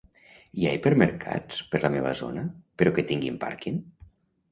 Hi ha hipermercats per la meva zona, però que tinguin pàrquing?